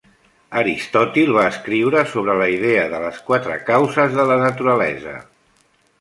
Aristòtil va escriure sobre la idea de les quatre causes de la naturalesa.